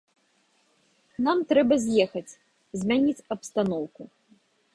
Нам трэба з'ехаць, змяніць абстаноўку.